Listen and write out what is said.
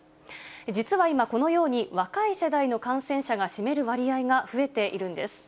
実は今、このように若い世代の感染者が占める割合が増えているんです。